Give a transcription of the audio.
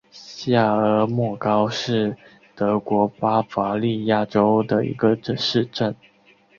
下阿默高是德国巴伐利亚州的一个市镇。